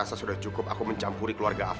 aku sudah cukup mencampuri keluarga afif